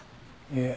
いえ。